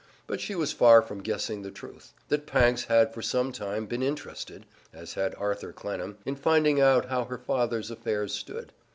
But she was far from guessing the truth: that Pancks had for some time been interested (as had Arthur Clennam) in finding out how her father's affairs stood.